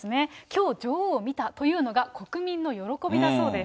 きょう、女王を見たというのが国民の喜びだそうです。